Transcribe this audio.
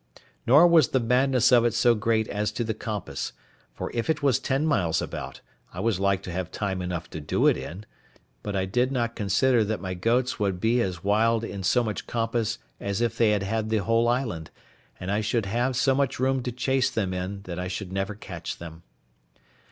Nor was the madness of it so great as to the compass, for if it was ten miles about, I was like to have time enough to do it in; but I did not consider that my goats would be as wild in so much compass as if they had had the whole island, and I should have so much room to chase them in that I should never catch them.